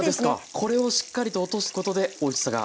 これをしっかりと落とすことでおいしさが。